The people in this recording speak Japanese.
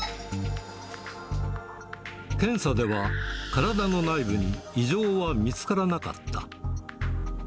検査では、体の内部に異常は見つからなかった。